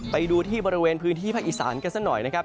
ไปดูที่บริเวณพื้นที่ภาคอีสานกันสักหน่อยนะครับ